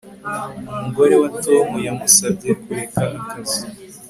Umugore wa Tom yamusabye kureka akazi